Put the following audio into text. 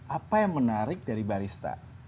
apa yang menarik dari barista